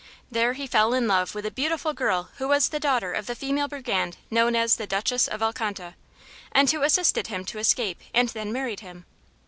There he fell in love with a beautiful girl who was the daughter of the female brigand known as the Duchess of Alcanta, and who assisted him to escape and then married him.